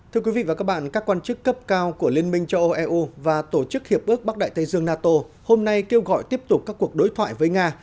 thưa quý vị và các bạn các quan chức cấp cao của liên minh châu âu eu và tổ chức hiệp ước bắc đại tây dương nato hôm nay kêu gọi tiếp tục các cuộc đối thoại với nga